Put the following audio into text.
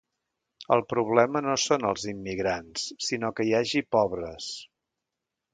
El problema no són els immigrants sinó que hi hagi pobres.